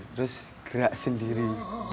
terus gerak sendiri